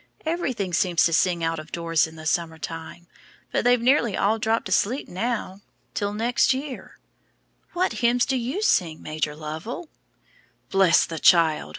Everything seems to sing out of doors in the summer time, but they've nearly all dropped asleep now till next year. What hymns do you sing, Major Lovell?" "Bless the child!